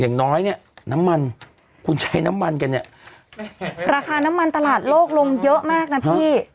อย่างน้อยเนี่ยน้ำมันคุณใช้น้ำมันกันเนี่ยราคาน้ำมันตลาดโลกลงเยอะมากนะพี่